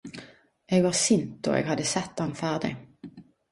Eg var sint då eg hadde sett han ferdig.